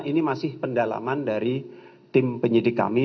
ini masih pendalaman dari tim penyidik kami